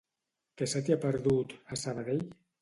Què se t'hi ha perdut, a Sabadell?